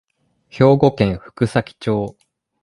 兵庫県福崎町